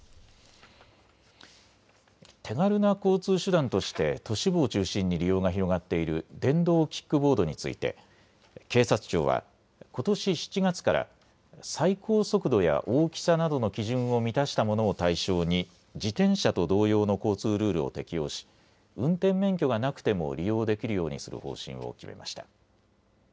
手軽な交通手段として都市部を中心に利用が広がっている電動キックボードについて警察庁はことし７月から最高速度や大きさなどの基準を満たしたものを対象に自転車と同様の交通ルールを適用し運転免許がなくても利用できるようにする方針を決めました。